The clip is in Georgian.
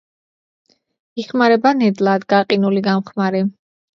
იხმარება ნედლად, გაყინული, გამხმარი.